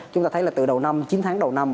chúng ta thấy là từ đầu năm chín tháng đầu năm